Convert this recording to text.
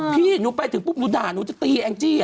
พี่หนูไปถึงปุ๊บหนูด่าหนูจะตีแองจี้